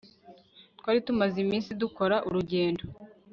twari tumaze iminsi dukora urugendo